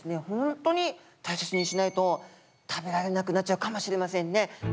ほんとに大切にしないと食べられなくなっちゃうかもしれませんね。